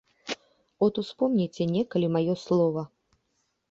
От успомніце некалі маё слова.